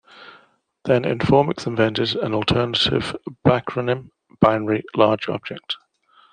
Then Informix invented an alternative backronym, "Binary Large Object".